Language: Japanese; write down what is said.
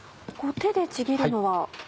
手でちぎるのは？